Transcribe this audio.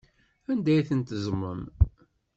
Anda ay ten-teẓẓmem?